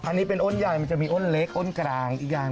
อันนี้เป็นอ้นใหญ่มันจะมีอ้นเล็กอ้นกลางอีกอย่าง